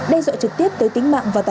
đe dọa trực tiếp tới tính mạng và tài sản